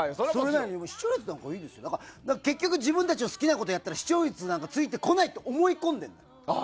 それなのに、視聴率なんかいいですよ、なんか、結局自分たちの好きなことやったら、視聴率なんかついてこないと思い込んでるの。